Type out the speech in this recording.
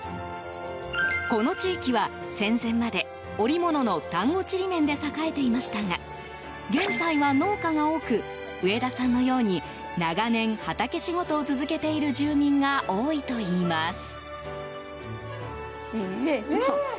この地域は、戦前まで織物の丹後ちりめんで栄えていましたが現在は農家が多く上田さんのように長年、畑仕事を続けている住民が多いといいます。